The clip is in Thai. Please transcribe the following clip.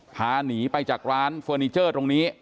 พาหนีไปจากร้านเฟอร์นิเจอร์ตรงนี้